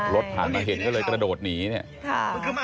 รถผ่านมาเห็นก็เลยกระโดดหนีเนี่ย